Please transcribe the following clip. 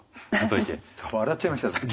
笑っちゃいましたさっき。